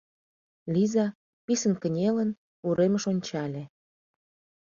Лиза, писын кынелын, уремыш ончале.